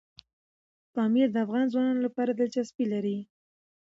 پامیر د افغان ځوانانو لپاره دلچسپي لري.